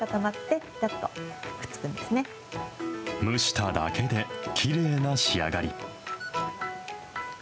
蒸しただけできれいな仕上がり。